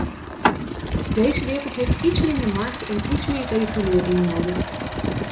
Deze wereld heeft iets minder markt en iets meer regulering nodig.